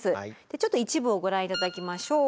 ちょっと一部をご覧頂きましょう。